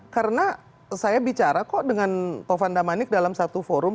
karena saya bicara kok dengan tovan damanik dalam satu forum